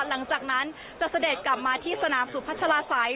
หลังจากนั้นจะเสด็จกลับมาที่สนามสุพัชลาศัย